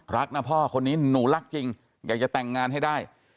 รักนะพ่อคนนี้หนูรักจริงอยากจะแต่งงานให้ได้